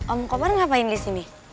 om kobar ngapain di sini